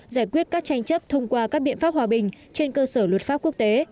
giải quyết các tranh chấp thông qua các biện pháp hòa bình trên cơ sở luật pháp quốc tế